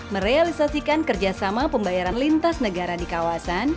merealisasikan kerjasama pembayaran lintas negara di kawasan